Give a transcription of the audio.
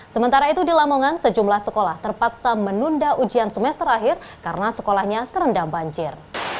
sementara itu di lamongan sejumlah sekolah terpaksa menunda ujian semester akhir karena sekolahnya terendam banjir